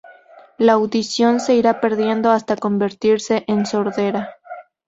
La audición se irá perdiendo, hasta convertirse en sordera.